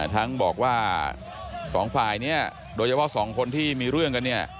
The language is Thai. ทั้งบอกว่าสองฝ่ายเนี่ยโดยเฉพาะสองคนที่มีเรื่องกันเนี่ย